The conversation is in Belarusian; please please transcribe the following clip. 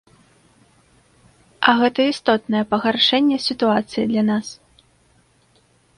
А гэта істотнае пагаршэнне сітуацыі для нас.